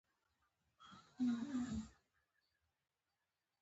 د ملګرو شوق او تلوسه ډېره وه.